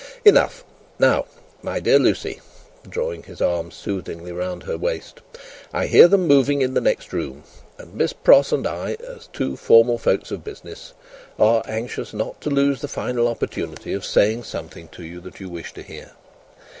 Enough! Now, my dear Lucie," drawing his arm soothingly round her waist, "I hear them moving in the next room, and Miss Pross and I, as two formal folks of business, are anxious not to lose the final opportunity of saying something to you that you wish to hear.